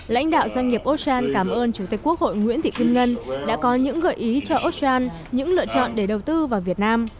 lãnh đạo doanh nghiệp ochan cảm ơn chủ tịch quốc hội nguyễn thị kim ngân đã có những gợi ý cho oxfast những lựa chọn để đầu tư vào việt nam